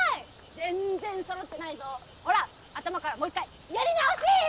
全然そろってないぞほら頭からもう１回やり直し！